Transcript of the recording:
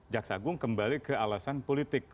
jaksa agung kembali ke alasan politik